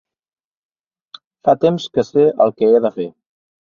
Fa temps que sé el que he de fer.